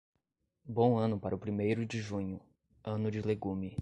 Bom ano para o primeiro de junho, ano de legume.